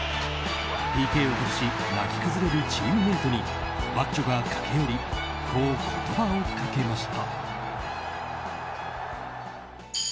ＰＫを外し泣き崩れるチームメートにバッジョが駆け寄りこう言葉をかけました。